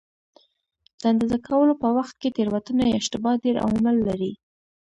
د اندازه کولو په وخت کې تېروتنه یا اشتباه ډېر عوامل لري.